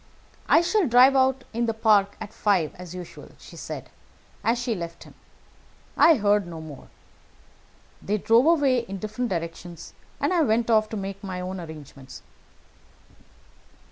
'I shall drive out in the park at five as usual,' she said, as she left him. I heard no more. They drove away in different directions, and I went off to make my own arrangements."